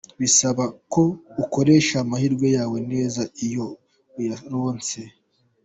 Bisaba ko ukoresha amahirwe yawe neza iyo uyaronse.